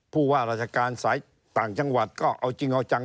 ผู้ว่าราชการสายต่างจังหวัดก็เอาจริงเอาจัง